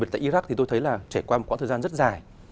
trải qua một quãng thời gian rất dài